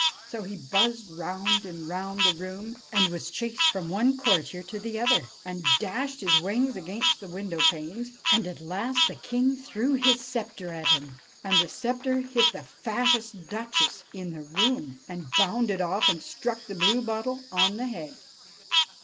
So he buzzed round and round the room, and was chased from one courtier to the other, and dashed his wings against the window panes, and at last the king threw his scepter at him, and the scepter hit the fattest duchess in the room, and bounded off and struck the Bluebottle on the head.